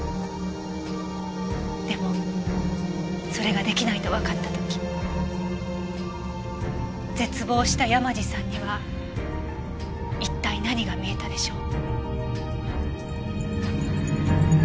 でもそれが出来ないとわかった時絶望した山路さんには一体何が見えたでしょう。